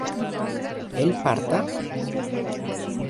¿él parta?